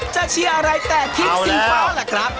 เชียร์อะไรแต่ทีมสีฟ้าล่ะครับ